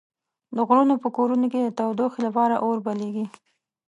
د غرونو په کورونو کې د تودوخې لپاره اور بليږي.